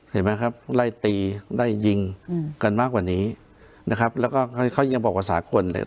เห็นไหมครับไล่ตีไล่ยิงกันมากกว่านี้นะครับแล้วก็เขายังบอกว่าสากลเลย